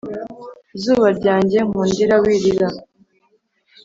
zuba ryanjye nkundira wirira